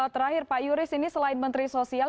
terakhir pak yuris ini selain menteri sosial